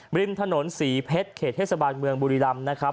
ริมถนนศรีเพชรเขตเทศบาลเมืองบุรีรำนะครับ